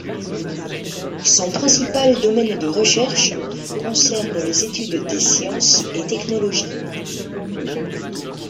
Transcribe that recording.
Son principal domaine de recherches concerne les études des sciences et technologies.